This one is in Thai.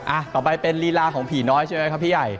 ต่อไปเป็นลีลาของผีน้อยใช่ไหมครับพี่ใหญ่